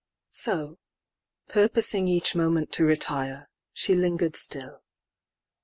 IX.So, purposing each moment to retire, She linger'd still.